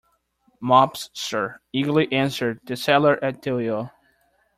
Mops, sir, eagerly answered the sailor at the wheel.